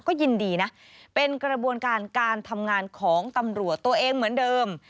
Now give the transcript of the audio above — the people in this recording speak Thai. ก็ยินดีนะเป็นกระบวนการการทำงานของตำรวจตัวเองเหมือนเดิม